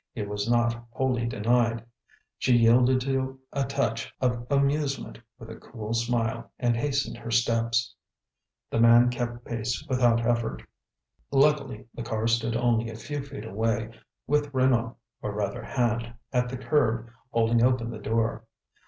It was not wholly denied. She yielded to a touch of amusement with a cool smile, and hastened her steps. The man kept pace without effort. Luckily, the car stood only a few feet away, with Renaud, or rather Hand, at the curb, holding open the door.